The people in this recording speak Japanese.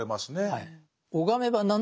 はい。